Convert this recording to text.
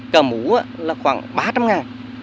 cà mũ là khoảng ba trăm linh ngàn